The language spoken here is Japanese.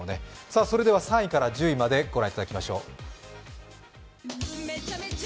それでは３位から１０位までを御覧いただきましょう。